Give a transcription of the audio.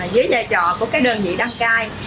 dưới lựa chọn của các đơn vị đăng cai